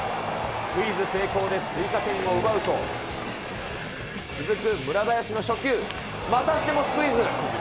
スクイズ成功で追加点を奪うと、続く村林の初球、またしてもスクイズ。